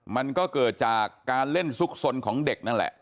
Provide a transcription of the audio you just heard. มันก็เกิดจากการเล่นซุกสนของเด็กนั่นแหละ